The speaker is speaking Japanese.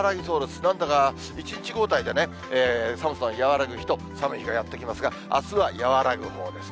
なんだか一日交替でね、寒さが和らぐ日と寒い日がやってきますが、あすは和らぐほうですね。